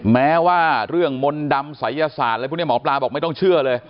แม้ว่าเรื่องมนต์ดำศัยศาสตร์อะไรพวกนี้หมอปลาบอกไม่ต้องเชื่อเลย